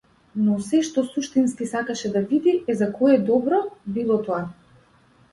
Но сѐ што суштински сакаше да види е за кое добро било тоа.